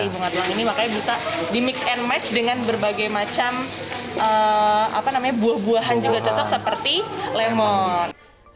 bunga telang ini makanya bisa di mix and match dengan berbagai macam buah buahan juga cocok seperti lemon